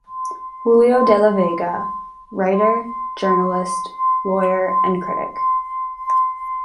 Julio de la Vega, writer, journalist, lawyer and critic.